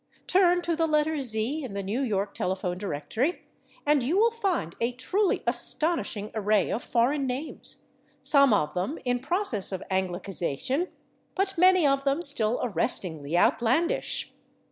Turn to the letter /z/ in the New York telephone directory and you will find a truly astonishing array of foreign names, some of them in process of anglicization, but many of them still arrestingly outlandish.